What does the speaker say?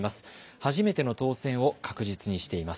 初めての当選を確実にしています。